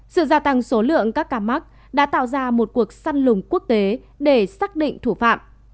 sự gia tăng số lượng các ca mắc đã tạo ra một cuộc săn lùng quốc tế để xác định thủ phạm